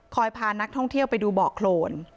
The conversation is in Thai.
พานักท่องเที่ยวไปดูเบาะโครน